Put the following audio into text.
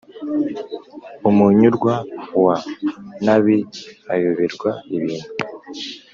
umunyurwa wa nabi ayoberwa ibintu.